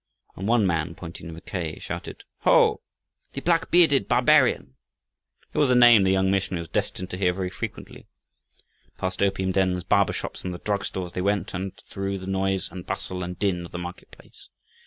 And one man, pointing to Mackay, shouted "Ho! the black bearded barbarian!" It was a name the young missionary was destined to hear very frequently. Past opium dens, barber shops, and drug stores they went and through the noise and bustle and din of the market place.